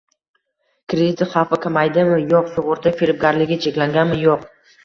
Kredit xavfi kamayadimi? Yo'q Sug'urta firibgarligi cheklanganmi? Yo'q